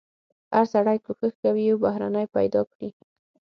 هر سړی کوښښ کوي یو بهرنی پیدا کړي.